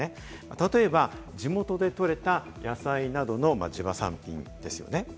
例えば地元で採れた野菜などの地場産品ですよね。